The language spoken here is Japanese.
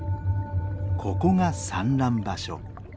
ここが産卵場所。